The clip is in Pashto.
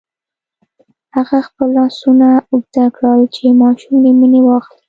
هغه خپل لاسونه اوږده کړل چې ماشوم له مينې واخلي.